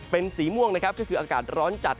เป็นสีม่วงนะครับก็คืออากาศร้อนจัด